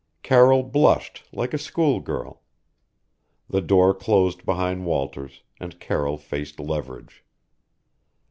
Carroll blushed like a schoolgirl. The door closed behind Walters, and Carroll faced Leverage.